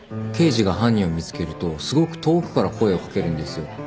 刑事が犯人を見つけるとすごく遠くから声を掛けるんですよ。